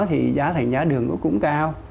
thì giá thành giá đường cũng cao